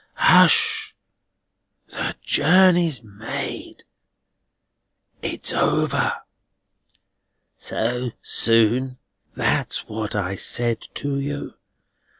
Hush! The journey's made. It's over." "So soon?" "That's what I said to you.